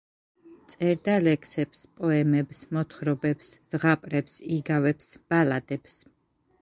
წერდა ლექსებს, პოემებს, მოთხრობებს, ზღაპრებს, იგავებს, ბალადებს.